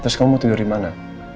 terus kamu mau tidur dimana